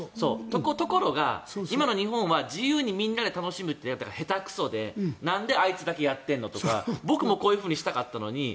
ところが、今の日本は自由でみんなで楽しむのが下手くそでなんであいつだけやっているのとか僕もこういうふうにしたかったのに。